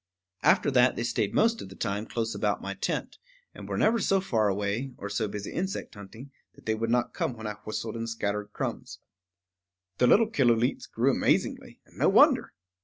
After that they stayed most of the time close about my tent, and were never so far away, or so busy insect hunting, that they would not come when I whistled and scattered crumbs. The little Killooleets grew amazingly, and no wonder!